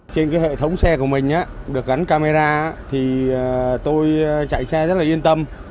trên hệ thống xe của mình được gắn camera thì tôi chạy xe rất là yên tâm